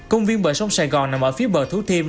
công viên bờ sông sài gòn nằm ở phía bờ thú thiêm